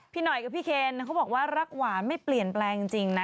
หน่อยกับพี่เคนเขาบอกว่ารักหวานไม่เปลี่ยนแปลงจริงนะ